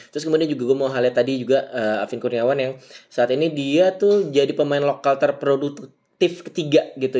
terus kemudian juga gue mau highlight tadi juga alvin kurniawan yang saat ini dia tuh jadi pemain lokal terproduktif ketiga gitu